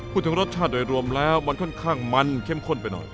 พูดถึงรสชาติโดยรวมแล้วมันค่อนข้างมันเข้มข้นไปหน่อย